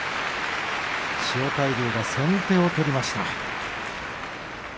千代大龍、先手を取りました。